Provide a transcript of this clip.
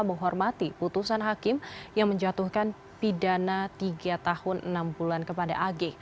menghormati putusan hakim yang menjatuhkan pidana tiga tahun enam bulan kepada ag